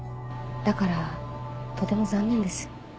だからとても残念です